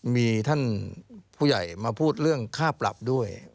มีท่านผู้ใหญ่มาพูดเรื่องค่าปรับด้วย